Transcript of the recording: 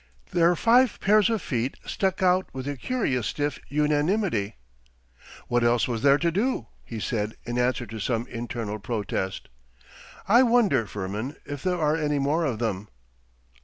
Their five pairs of feet stuck out with a curious stiff unanimity.... 'What else was there to do?' he said in answer to some internal protest. 'I wonder, Firmin, if there are any more of them?